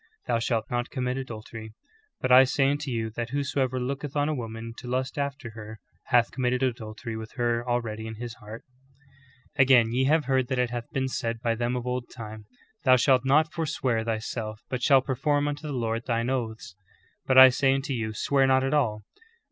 Thou shalt not commit adultery: But I say unto vou that whosoever looketh on a woman to lust after Galr.rians 3: 24. 4 THE GREAT APOSTASY. her hath committed adultery with her already in his heart. ^ Again, ye have heard that it hath been said by them of old time, Thou shalt not forswear thyself but shall perform unto the Lord thine oaths : But I say unto you, Swear not at all.